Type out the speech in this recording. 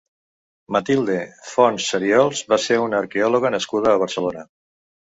Matilde Font Sariols va ser una arqueòloga nascuda a Barcelona.